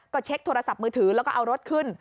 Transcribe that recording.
ก็เช็คโทรศัพท์มือถือแล้วก็เอารถขึ้น